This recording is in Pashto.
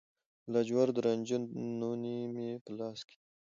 د لاجوردو رنجه نوني مې په لاس کې